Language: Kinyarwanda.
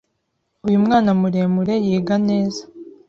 Uyu mwana muremure yiga neza.